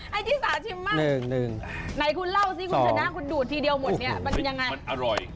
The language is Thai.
ให้ชิสาชิมมาหนึ่งไหนคุณเล่าซิคุณชนะคุณดูดทีเดียวหมดเนี่ยอร่อย